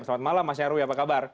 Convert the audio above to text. selamat malam mas nyarwi apa kabar